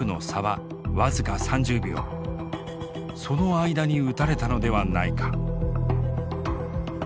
その間に撃たれたのではないか。